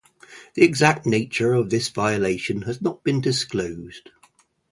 The exact nature of this violation has not been disclosed.